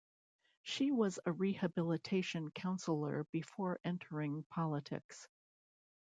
She was a rehabilitation counsellor before entering politics.